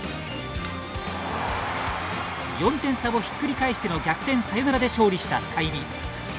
４点差をひっくり返しての逆転サヨナラで勝利した済美。